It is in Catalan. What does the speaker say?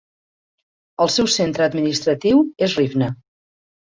El seu centre administratiu és Rivne.